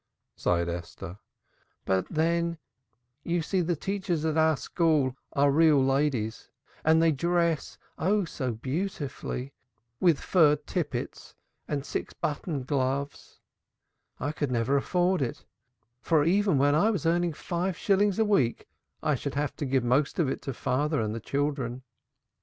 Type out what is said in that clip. sighed Esther. "But then you see the teachers at our school are real ladies and they dress, oh, so beautifully! With fur tippets and six button gloves. I could never afford it, for even when I was earning five shillings a week I should have to give most of it to father and the children."